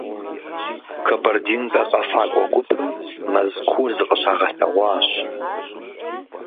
«Кабардинкэ» къэфакӏуэ гупым Мэзкуу зыкъыщагъэлъэгъуащ.